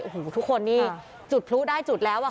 โอ้โหทุกคนนี่จุดพลุได้จุดแล้วอ่ะ